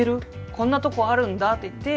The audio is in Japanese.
こんなとこあるんだ」って言って。